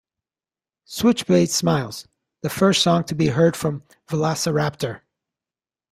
"Switchblade Smiles", the first song to be heard from "Velociraptor!